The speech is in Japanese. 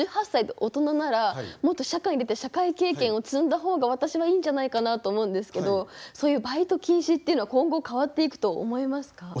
１８歳で大人ならもっと社会に出て社会経験を積んだ方が私はいいんじゃないかなと思うんですけどそういうバイト禁止っていうのは今後変わっていくと思いますか？